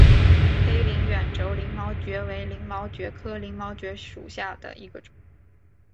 黑鳞远轴鳞毛蕨为鳞毛蕨科鳞毛蕨属下的一个种。